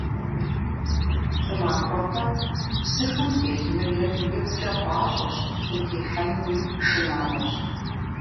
Щӏымахуэпэм псыхэм телъ мылыр икъукӀэ пӀащӀэщ, утехьэнуи шынагъуэщ.